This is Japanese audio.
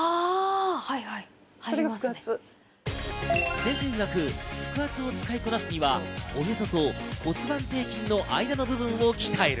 先生いわく、腹圧を使いこなすには、おへそと骨盤底筋の間の部分を鍛える。